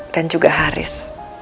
dan juga haris